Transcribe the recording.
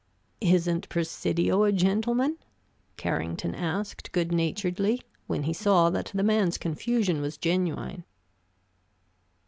"Isn't Presidio a gentleman?" Carrington asked, good naturedly, when he saw that the man's confusion was genuine.